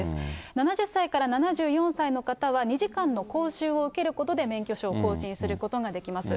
７０歳から７４歳の方は、２時間の講習を受けることで免許証を更新することができます。